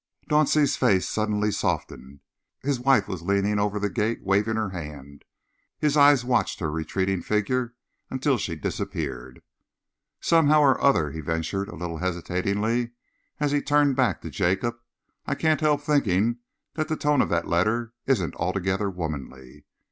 Dauncey's face suddenly softened. His wife was leaning over the gate waving her hand. His eyes watched her retreating figure until she disappeared. "Somehow or other," he ventured a little hesitatingly, as he turned back to Jacob, "I can't help thinking that the tone of that letter isn't altogether womanly.